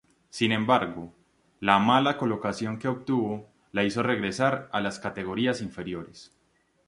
Sin embargo, la mala colocación que obtuvo, la hizo regresar a las categorías inferiores.